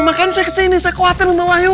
maka saya kesini saya kekuatin mbak wahyu